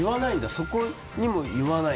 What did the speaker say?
そこにも言わない。